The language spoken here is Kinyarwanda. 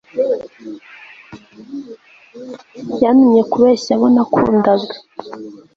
yantumye kubeshya abo nakundaga